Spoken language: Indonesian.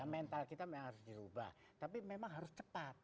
mental kita memang harus dirubah tapi memang harus cepat